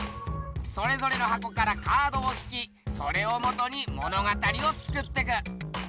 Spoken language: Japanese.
それぞれのはこからカードを引きそれをもとに物語を作ってく。